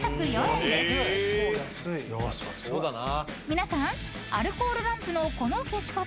［皆さんアルコールランプのこの消し方］